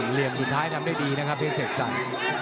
เหลี่ยมสุดท้ายทำได้ดีนะครับเพชรเสกสรร